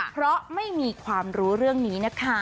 เพราะไม่มีความรู้เรื่องนี้นะคะ